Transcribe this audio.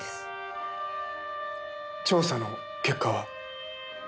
調査の結果は？